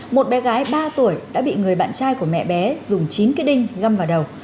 một bé gái ba tuổi đã bị người bạn trai của mẹ bé dùng chín cái đinh găm vào đầu